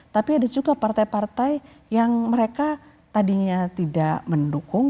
tapi ada juga partai partai yang mereka tadinya tidak mendukung